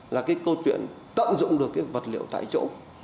là cái câu chuyện tận dụng được cái vật liệu tại chỗ